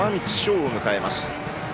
生を迎えます。